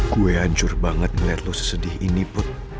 gue hancur banget ngeliat lo sesedih ini put